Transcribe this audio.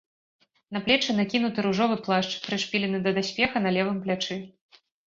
На плечы накінуты ружовы плашч, прышпілены да даспеха на левым плячы.